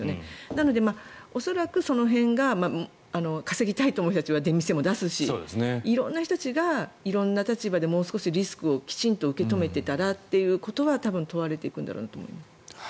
なので、恐らくその辺が稼ぎたいと思う人たちは出店も出すし色んな人たちが色んな立場でもう少しリスクをきちんと受け止めていたらということは問われていくんだろうなと思います。